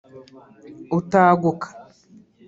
utaguka